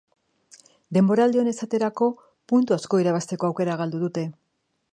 Denboraldion, esaterako, puntu asko irabazteko aukera galdu dute.